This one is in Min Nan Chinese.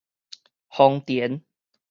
豐田